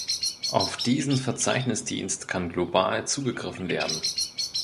Auf diesen Verzeichnisdienst kann global zugegriffen werden.